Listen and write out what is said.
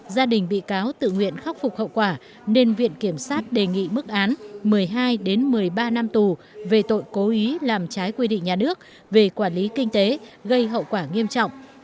gia đình bị cáo tự nguyện khắc phục hậu quả nên viện kiểm sát đề nghị mức án một mươi hai một mươi ba năm tù về tội cố ý làm trái quy định nhà nước về quản lý kinh tế gây hậu quả nghiêm trọng